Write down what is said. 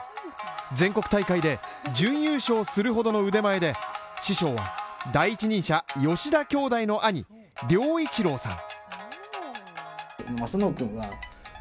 全国大会で準優勝するほどの腕前で師匠は第一人者、吉田兄弟の兄良一郎さん。